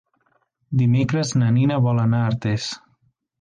Dimecres na Nina vol anar a Artés.